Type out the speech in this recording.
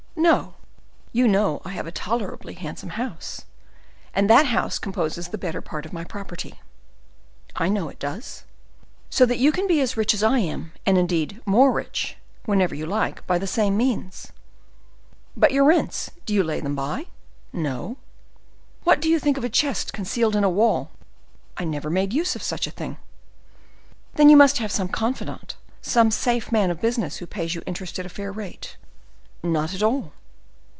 "No; you know I have a tolerably handsome house; and that house composes the better part of my property." "I know it does." "So that you can be as rich as I am, and, indeed, more rich, whenever you like, by the same means." "But your rents,—do you lay them by?" "No." "What do you think of a chest concealed in a wall?" "I never made use of such a thing." "Then you must have some confidant, some safe man of business who pays you interest at a fair rate." "Not at all."